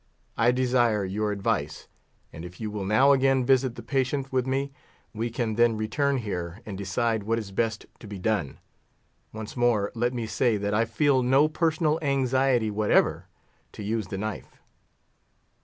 I desire your advice, and if you will now again visit the patient with me, we can then return here and decide what is best to be done. Once more, let me say, that I feel no personal anxiety whatever to use the knife."